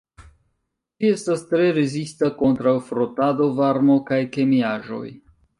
Ĝi estas tre rezista kontraŭ frotado, varmo kaj kemiaĵoj.